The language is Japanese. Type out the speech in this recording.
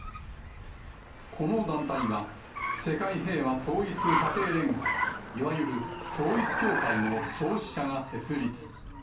この団体は、世界平和統一家庭連合、いわゆる統一教会の創始者が設立。